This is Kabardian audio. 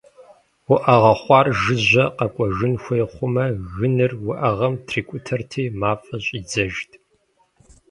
Уӏэгъэ хъуар жыжьэ къэкӏуэжын хуей хъумэ, гыныр уӏэгъэм трикӏутэрти мафӏэ щӏидзэжт.